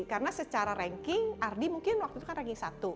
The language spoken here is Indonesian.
karena secara ranking ardi mungkin waktu itu kan ranking satu